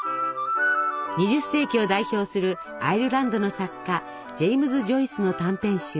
２０世紀を代表するアイルランドの作家ジェイムズ・ジョイスの短編集。